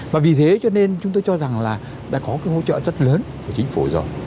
và vì thế cho nên chúng tôi cho rằng là đã có cái hỗ trợ rất lớn của chính phủ rồi